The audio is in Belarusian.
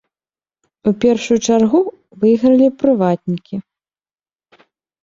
У першую чаргу выйгралі прыватнікі.